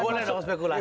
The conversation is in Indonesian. boleh dong spekulasi